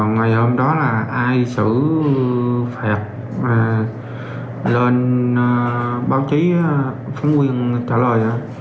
ngày hôm đó là ai sử phạt lên báo chí phóng quyền trả lời